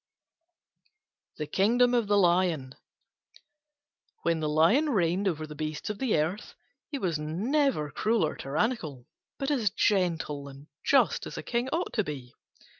THE KINGDOM OF THE LION When the Lion reigned over the beasts of the earth he was never cruel or tyrannical, but as gentle and just as a King ought to be.